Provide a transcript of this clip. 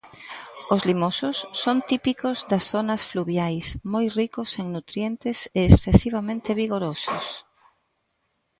Os limosos son típicos das zonas fluviais, moi ricos en nutrientes e excesivamente vigorosos.